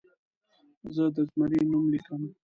زه د زمري نوم لیکم.